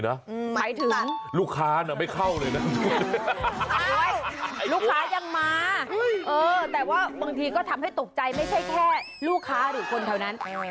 นี่แหละเจ้าของยังตกใจเองเลย